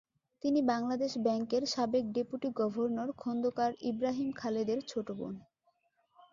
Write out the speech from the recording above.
তিনি বাংলাদেশ ব্যাংকের সাবেক ডেপুটি গভর্নর খোন্দকার ইব্রাহিম খালেদের ছোট বোন।